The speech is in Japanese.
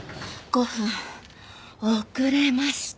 ５分遅れました！